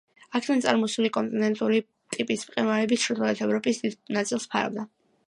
აქედან წამოსული კონტინენტური ტიპის მყინვარები ჩრდილოეთ ევროპის დიდ ნაწილს ფარავდა.